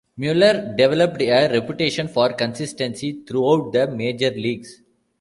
Mueller developed a reputation for consistency throughout the major leagues.